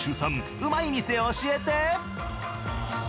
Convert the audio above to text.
うまい店教えて！